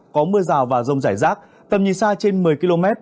có mưa rào và rông rải rác tầm nhìn xa trên một mươi km